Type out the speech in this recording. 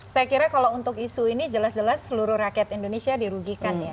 saya kira kalau untuk isu ini jelas jelas seluruh rakyat indonesia dirugikan ya